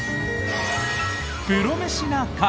「プロメシな会」。